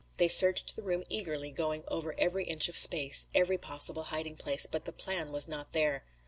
They searched the room eagerly, going over every inch of space, every possible hiding place, but the plan was not there.